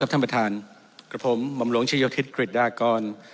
ครับท่านประธานกับผมหม่อมหลงชายศิษย์กริจดากร